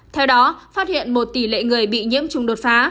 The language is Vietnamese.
theo đó phát hiện một tỷ lệ người bị nhiễm trùng đột phá